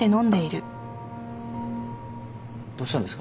どうしたんですか？